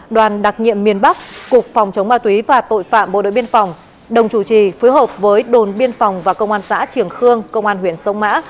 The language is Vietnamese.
đoàn đặc nhiệm miền bắc cục phòng chống ma túy và tội phạm bộ đội biên phòng đồng chủ trì phối hợp với đồn biên phòng và công an xã trường khương công an huyện sông mã